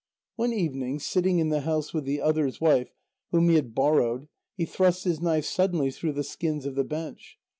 One evening, sitting in the house with the other's wife, whom he had borrowed, he thrust his knife suddenly through the skins of the bench.